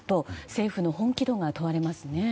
政府の本気度が問われますね。